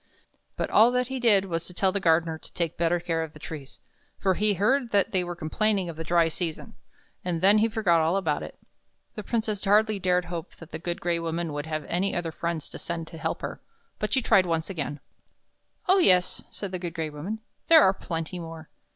But all that he did was to tell the gardener to take better care of the trees, for he heard that they were complaining of the dry season; and then he forgot all about it. The Princess hardly dared hope that the Good Gray Woman would have any other friends to send to help her, but she tried once again. "Oh, yes," said the Good Gray Woman, "there are plenty more."